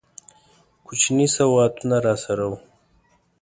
کوچني سوغاتونه راسره وه.